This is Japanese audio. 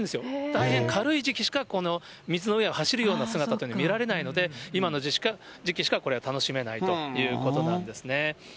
大変軽い時期しか水の上を走るような姿というのは、見られないので、今の時期しかこれは楽しめないということなんですね。